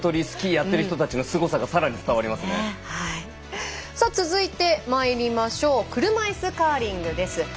スキーをやっている人たちのさあ、続いてまいりましょう。車いすカーリングです。